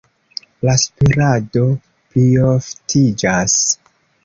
La spirado plioftiĝas.